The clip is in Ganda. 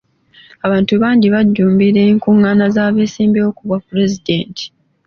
Abantu bangi bajjumbira enkungaana z'abesimbyewo ku bwa pulezidenti.